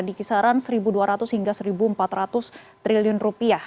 dikisaran seribu dua ratus hingga seribu empat ratus triliun rupiah